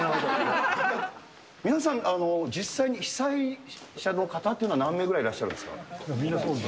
皆さん、実際に被災者の方というのは何名ぐらいいらっしゃるんでみんなそうです。